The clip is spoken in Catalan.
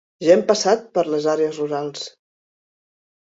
Ja hem passat per les àrees rurals.